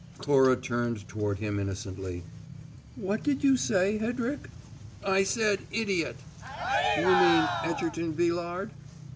Cora turned toward him innocently. "What did you say, Hedrick?" "I said `Idiot'!" "You mean Egerton Villard?"